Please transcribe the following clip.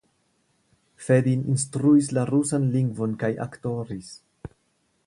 Fedin instruis la rusan lingvon kaj aktoris.